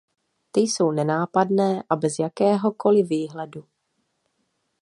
Ty jsou nenápadné a bez jakéhokoli výhledu.